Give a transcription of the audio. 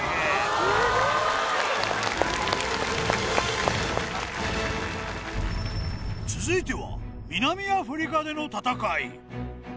すごーい続いては南アフリカでの戦い